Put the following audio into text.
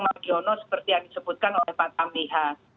liono seperti yang disebutkan oleh pak tamriha